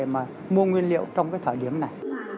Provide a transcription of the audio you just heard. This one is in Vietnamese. mà mua nguyên liệu trong cái thời điểm này